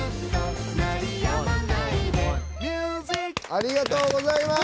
ありがとうございます！